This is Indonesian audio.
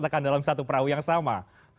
tekan dalam satu perahu yang sama